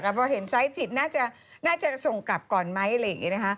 แต่พอเห็นไซส์ผิดน่าจะส่งกลับก่อนไหมอะไรอย่างนี้นะคะ